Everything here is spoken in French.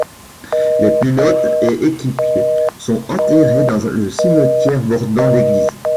Les pilotes et équipiers sont enterrés dans le cimetière bordant l'église.